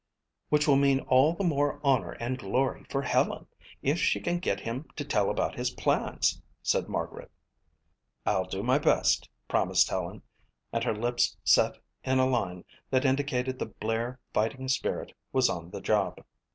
"Which will mean all the more honor and glory for Helen if she can get him to tell about his plans," said Margaret. "I'll do my best," promised Helen and her lips set in a line that indicated the Blair fighting spirit was on the job.